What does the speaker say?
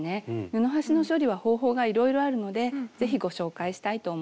布端の処理は方法がいろいろあるのでぜひご紹介したいと思います。